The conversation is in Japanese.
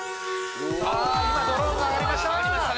今ドローンが上がりました！